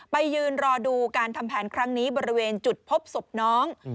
ไปยืนรอดูการทำแผนครั้งนี้บริเวณจุดพบศพน้อง